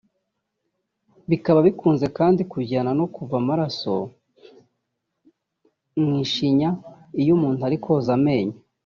bikaba bikunze kandi kujyana no kuva amaraso mu ishinya iyo umuntu ari koza amenyo